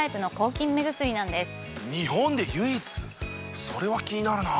日本で唯一⁉それは気になるな。